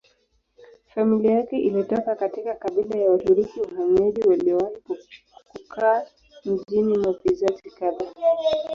Familia yake ilitoka katika kabila ya Waturuki wahamiaji waliowahi kukaa mjini kwa vizazi kadhaa.